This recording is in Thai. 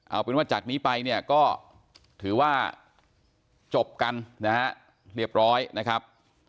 เอาเป็นว่าจากนี้ไปเนี่ยก็ถือว่าจบกันนะฮะเรียบร้อยนะครับ